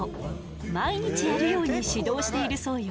毎日やるように指導しているそうよ。